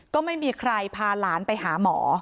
ก็ไม่มีใครพาหลานไปหาหมอ